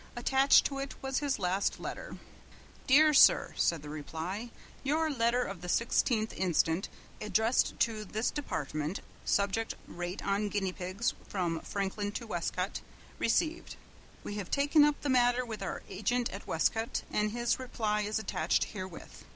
Attached to it was his last letter. "Dr. Sir," said the reply. "Your letter of the 16th inst., addressed to this Department, subject rate on guinea pigs from Franklin to Westcote, ree'd. We have taken up the matter with our agent at Westcote, and his reply is attached herewith.